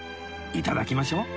いただきましょう